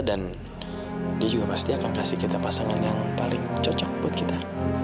dan dia juga pasti akan kasih kita pasangan yang paling cocok buat kita